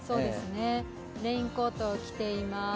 レインコートを着ています。